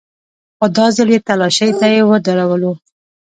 خو دا ځل چې تلاشۍ ته يې ودرولو.